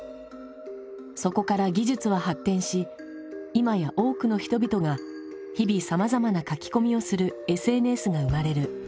そこから技術は発展し今や多くの人々が日々さまざまな書き込みをするＳＮＳが生まれる。